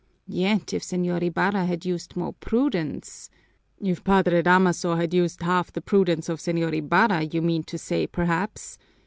Yet if Señor Ibarra had used more prudence " "If Padre Damaso had used half the prudence of Señor Ibarra, you mean to say, perhaps!"